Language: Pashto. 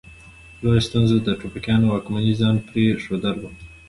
لویه ستونزه د ټوپکیانو واکمني ځان پرې ښودل وه.